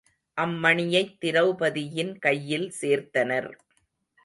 அம் மணியைத் திரெளபதியின் கையில் சேர்த்தனர்.